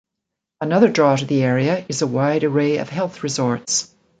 Another draw to the area is a wide array of health resorts.